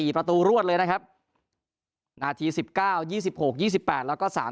๔ประตูรวดเลยนะครับนาที๑๙๒๖๒๘แล้วก็๓๐